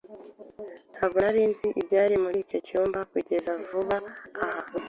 Ntabwo nari nzi ibyari muri icyo cyumba kugeza vuba aha.